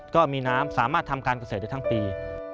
ก็มีน้ำสามารถทำการเกษตรได้ทั้งปี